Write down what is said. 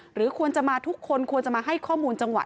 หรือควรจะมาทุกคนควรจะมาให้ข้อมูลจังหวะ